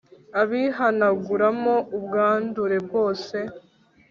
abihanaguramo ubwandure bwose